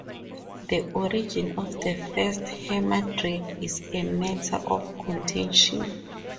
The origin of the first hammer drill is a matter of contention.